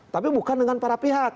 tapi bukan dengan para pihak